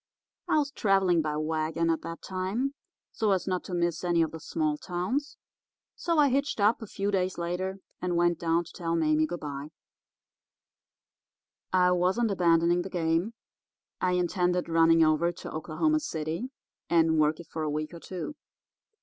I was travelling by wagon at that time so as not to miss any of the small towns; so I hitched up a few days later and went down to tell Mame good bye. I wasn't abandoning the game; I intended running over to Oklahoma City and work it for a week or two.